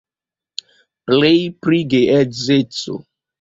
Pleje pri geedzeco.